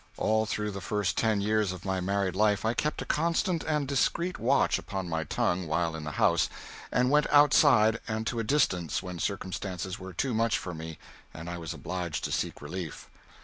All through the first ten years of my married life I kept a constant and discreet watch upon my tongue while in the house, and went outside and to a distance when circumstances were too much for me and I was obliged to seek relief.